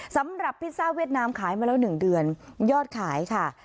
สำหรับพิซซ่าเวียดนามขายมาแล้ว๑เดือนยอดขายค่ะ